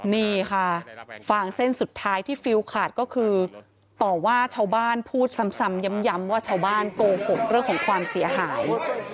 นี่ค่ะฟางเส้นสุดท้ายที่ฟิลขาดก็คือต่อว่าชาวบ้านพูดซ้ำย้ำว่าชาวบ้านโกหกเรื่องของความเสียหาย